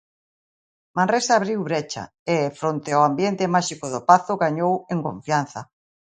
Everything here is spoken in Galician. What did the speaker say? Manresa abriu brecha e, fronte ao ambiente máxico do Pazo, gañou en confianza.